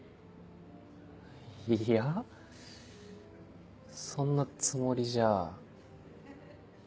いやそんなつもりじゃ。